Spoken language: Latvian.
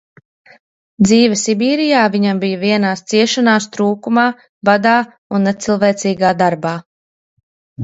Dzīve Sibīrijā viņam bija vienās ciešanās trūkumā, badā un necilvēcīgā darbā.